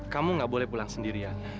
kamu gak boleh pulang sendirian